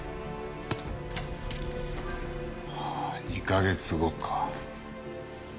２カ月後か。